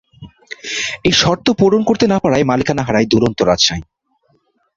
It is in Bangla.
এই শর্ত পূরণ করতে না পারায় মালিকানা হারায় দুরন্ত রাজশাহী।